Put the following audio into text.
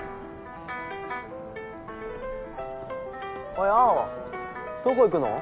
おい青どこ行くの？